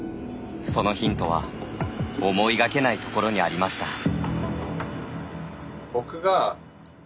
そのヒントは思いがけないところにありました。